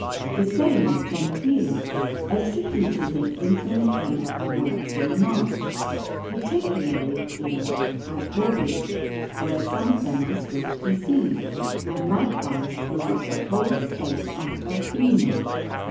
The same Gentile executed an infinite number of works in the March, particularly in Agobbio, where some of them are still to be seen, and likewise throughout the whole state of Urbino.